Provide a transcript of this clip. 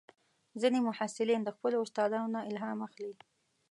ځینې محصلین د خپلو استادانو نه الهام اخلي.